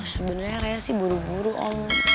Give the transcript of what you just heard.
sebenarnya saya sih buru buru om